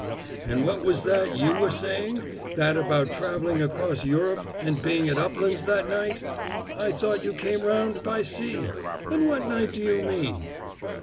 "And what was that you were saying that about traveling across Europe and being at Uplands that night? I thought you came round by sea? And what night do you mean?"